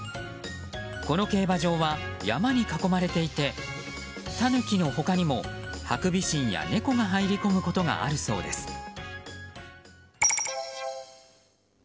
この競馬場は山に囲まれていてタヌキの他にもハクビシンや猫が入り込むことがあるそうです。